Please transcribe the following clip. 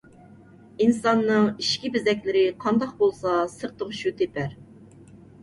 ئىنساننىڭ ئىچكى بېزەكلىرى قانداق بولسا سىرتىغا شۇ تېپەر.